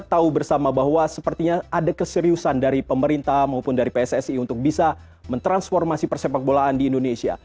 kita tahu bersama bahwa sepertinya ada keseriusan dari pemerintah maupun dari pssi untuk bisa mentransformasi persepak bolaan di indonesia